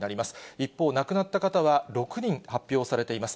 一方、亡くなった方は６人発表されています。